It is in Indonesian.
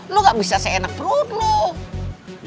lu gak bisa seenak perut lu